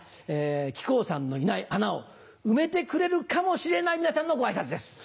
木久扇さんのいない穴を埋めてくれるかもしれない皆さんのご挨拶です。